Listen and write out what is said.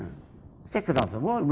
saya kenal semua